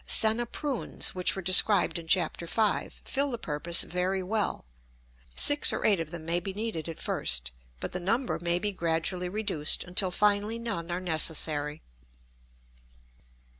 Senna prunes, which were described in Chapter V, fill the purpose very well. Six or eight of them may be needed at first, but the number may be gradually reduced, until finally none are necessary.